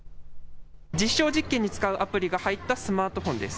実証実験に使うアプリが入ったスマートフォンです。